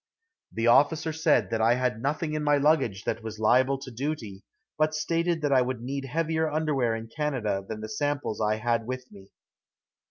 The officer said that I had nothing in my luggage that was liable to duty, but stated that I would need heavier underwear in Canada than the samples I had with me.